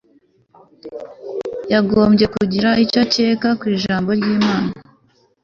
yagombye kugira icyo acyeka kw'ijambo ry'imana